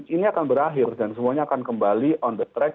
ini akan berakhir dan semuanya akan kembali on the track